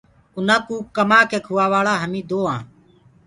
اُنآ ڪوٚ ڪمآنٚ ڪي کوٚوآوآݪآ هميٚنٚ دو آنٚ۔